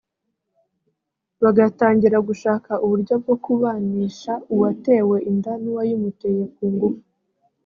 bagatangira gushaka uburyo bwo kubanisha uwatewe inda n’uwayimuteye ku ngufu